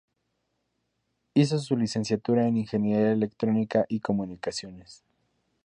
Hizo su licenciatura en Ingeniería Electrónica y Comunicaciones.